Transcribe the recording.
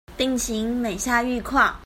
病情每下愈況